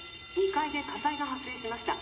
２階で火災が発生しました。